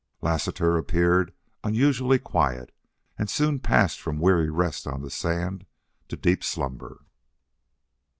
Lassiter appeared unusually quiet, and soon passed from weary rest on the sand to deep slumber.